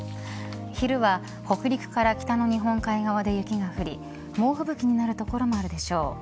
昼は北陸から北の日本海側で雪が降り猛吹雪になる所もあるでしょう。